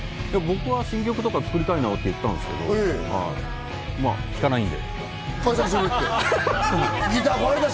僕は新曲とか作りたいって言ってたんですけど、聞かないんで。